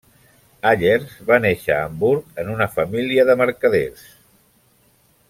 Allers, va néixer a Hamburg en una família de mercaders.